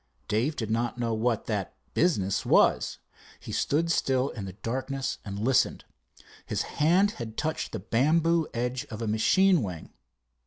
Dave did not know what that "business" was. He stood still in the darkness and listened. His hand had touched the bamboo edge of a machine wing.